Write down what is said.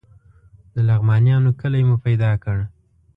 د لغمانیانو کلی مو پیدا کړ.